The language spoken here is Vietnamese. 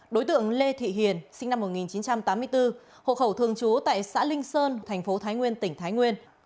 đối tượng lê thị hiền sinh năm một nghìn chín trăm tám mươi bốn hộ khẩu thường trú tại xã linh sơn thành phố thái nguyên tỉnh thái nguyên